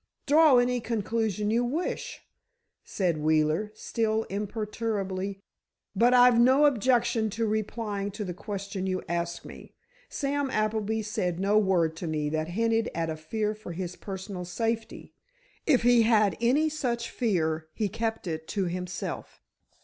"Draw any conclusion you wish," said Wheeler, still imperturbably. "But I've no objection to replying to the question you asked me. Sam Appleby said no word to me that hinted at a fear for his personal safety. If he had any such fear, he kept it to himself."